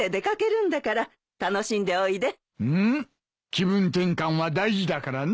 気分転換は大事だからな。